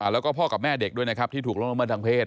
แล้วก็พ่อกับแม่เด็กด้วยที่ถูกลงรบมาทางเพศ